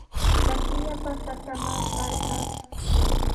Trakillapa trakraman trarqaa.